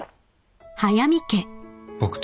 僕と。